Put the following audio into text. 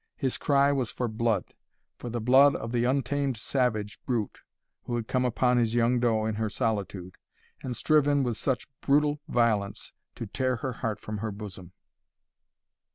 His cry was for blood; for the blood of the untamed savage brute who had come upon his young doe in her solitude, and striven with such brutal violence to tear her heart from her bosom.